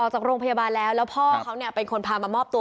จากโรงพยาบาลแล้วแล้วพ่อเขาเนี่ยเป็นคนพามามอบตัว